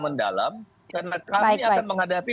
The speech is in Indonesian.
mendalam karena kami akan menghadapi